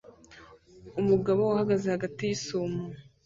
Umugabo uhagaze hagati yisumo